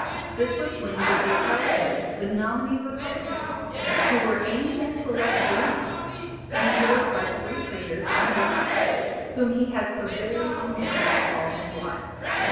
This was when they beheld him the nominee of Republicans, 'who were anything to elect Greeley,' and endorsed by Free Traders and Democrats whom he had so bitterly denounced all his life.